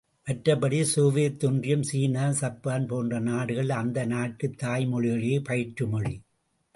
மற்றபடி சோவியத் ஒன்றியம், சீனா, சப்பான் போன்ற நாடுகளில் அந்தந்த நாட்டுத் தாய்மொழிகளே பயிற்று மொழி!